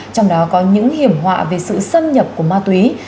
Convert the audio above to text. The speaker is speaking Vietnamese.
trong đó có những hiểm họa về sự xâm nhập của ma túy